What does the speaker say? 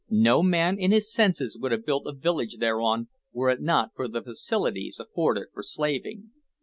No man in his senses would have built a village thereon were it not for the facilities afforded for slaving.